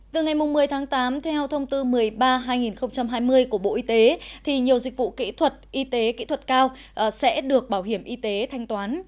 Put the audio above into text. từ ngày một mươi tháng tám theo thông tư một mươi ba hai nghìn hai mươi của bộ y tế thì nhiều dịch vụ kỹ thuật y tế kỹ thuật cao sẽ được bảo hiểm y tế thanh toán